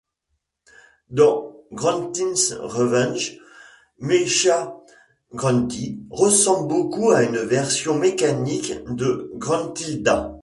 Dans Grunty's Revenge, Mecha Grunty ressemble beaucoup à une version mécanique de Gruntilda.